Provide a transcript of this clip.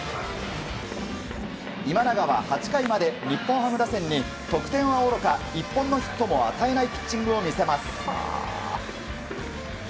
今永は８回まで日本ハム打線に得点はおろか１本のヒットも与えないピッチングを見せます。